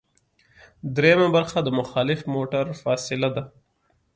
دریمه برخه د مخالف موټر فاصله ده